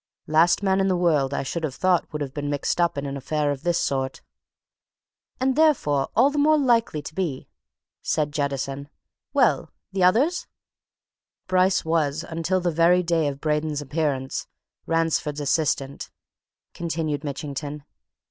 Last man in the world I should have thought would have been mixed up in an affair of this sort!" "And therefore all the more likely to be!" said Jettison. "Well the other?" "Bryce was until the very day of Braden's appearance, Ransford's assistant," continued Mitchington.